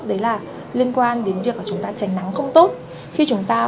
đấy là liên quan đến việc chúng ta tránh nắng không tốt